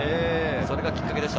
それがきっかけでした。